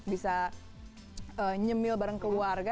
bisa nyemil bareng keluarga